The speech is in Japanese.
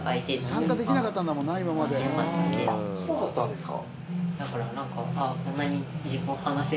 そうだったんですか。